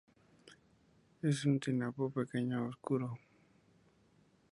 Es un tinamú pequeño, oscuro.